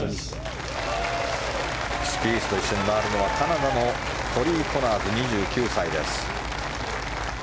スピースと一緒に回るのはカナダのコーリー・コナーズ２９歳です。